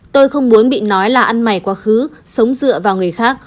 tôi không muốn bị nói là ăn mải quá khứ sống dựa vào người khác